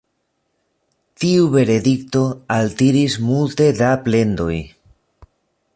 Tiu verdikto altiris multe da plendoj.